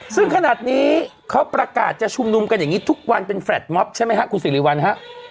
ซึ่งขนาดนี้เขาประกาศจะชุมนุมกันอย่างนี้ทุกวันเป็นแลตม็อบใช่ไหมครับคุณสิริวัลฮะ